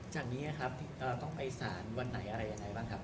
จากนี้นะครับเราต้องไปสารวันไหนอะไรยังไงบ้างครับ